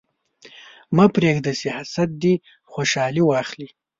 مه پرېږده چې حسد دې خوشحالي واخلي.